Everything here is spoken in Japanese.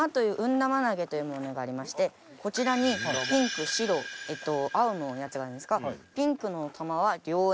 玉投げというものがありましてこちらにピンク白青のやつがあるんですがピンクの玉は良縁